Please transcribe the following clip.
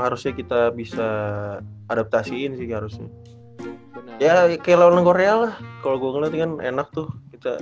harusnya kita bisa adaptasi ini harusnya ya ya kalau ngoreal kalau enak tuh kita